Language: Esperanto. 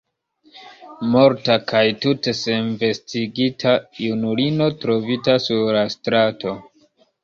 Morta kaj tute senvestigita junulino trovita sur la strato!